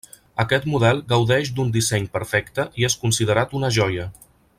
Aquest model gaudeix d'un disseny perfecte i és considerat una joia.